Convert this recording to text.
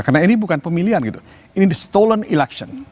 karena ini bukan pemilihan ini stolen election